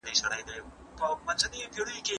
وروسته يې لوړې زده کړې بهر ته وغځولې.